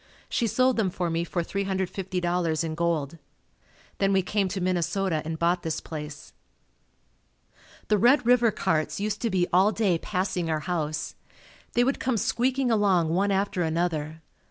She sold them for me for $350.00 in gold. Then we came to Minnesota and bought this place. The Red River carts used to be all day passing our house. They would come squeaking along one after another.